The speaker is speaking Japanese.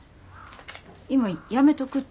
今やめとくって。